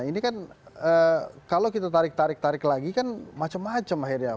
ini kan kalau kita tarik tarik tarik lagi kan macam macam akhirnya